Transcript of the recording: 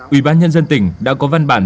ủy ban nhân dân tỉnh đã có văn bản